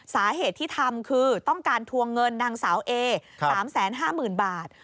สาเหตุที่ทำคือต้องการทวงเงินนางสาวเอ๓๕๐๐๐บาท